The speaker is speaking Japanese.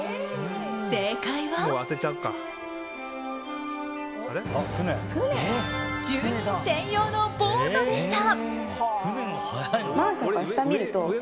正解は住人専用のボートでした。